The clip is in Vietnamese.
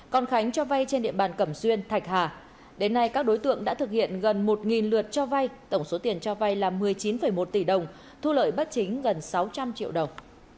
còn khánh cho vay trên địa bàn cẩm xuyên thạch hà đến nay các đối tượng đã thực hiện gần một lượt cho vay tổng số tiền cho vay là một mươi chín một tỷ đồng thu lợi bất chính gần sáu trăm linh triệu đồng